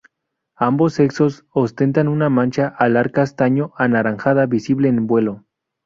Ambos sexos ostentan una mancha alar castaño-anaranjada visible en vuelo.